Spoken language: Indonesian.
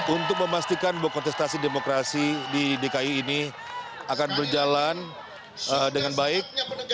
untuk memastikan bahwa kontestasi demokrasi di dki ini akan berjalan dengan baik